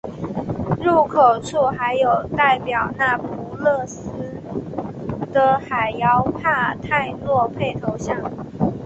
入口处还有代表那不勒斯的海妖帕泰诺佩头像。